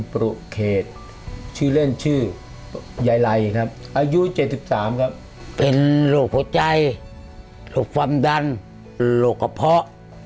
บ๊ายบายอย่างเดียวครับ